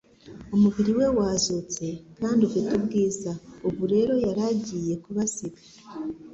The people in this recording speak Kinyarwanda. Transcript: umubiri we wazutse kandi ufite ubwiza. Ubu rero yari agiye kubasiga.